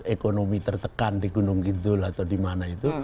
ekonomi tertekan di gunung kidul atau dimana itu